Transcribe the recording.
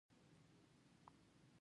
هغوی ټول ځوانان و او خپل هېواد یې ساته.